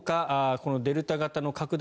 このデルタ型の拡大